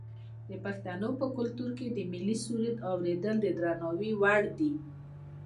د پښتنو په کلتور کې د ملي سرود اوریدل د درناوي وړ دي.